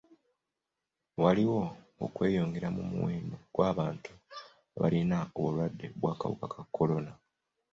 Waliwo okweyongera mu muwendo gw'abantu abalina obulwadde bw'akawuka ka kolona.